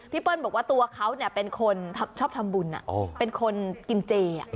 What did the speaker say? เปิ้ลบอกว่าตัวเขาเป็นคนชอบทำบุญเป็นคนกินเจ